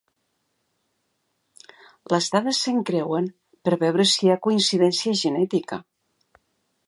Les dades s'encreuen per veure si hi ha coincidència genètica.